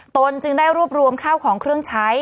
ตนจึงได้รวบรวมข้าวของเครื่องใช้